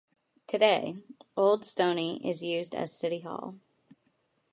Today, Old Stoney is used as City Hall.